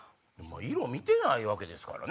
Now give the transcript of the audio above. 色見てないわけですからね。